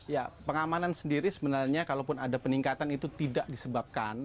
ya pengamanan sendiri sebenarnya kalaupun ada peningkatan itu tidak disebabkan